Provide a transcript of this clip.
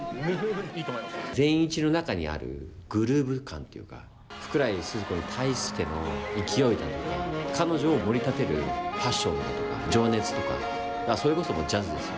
善一の中にあるグルーブ感というか福来スズ子に対しての勢いだとか彼女を盛り立てるパッションだとか、情熱とかそれこそ、もうジャズですよ。